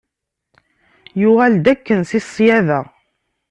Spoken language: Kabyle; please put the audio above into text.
Yuɣal-d akken si ssyaḍa.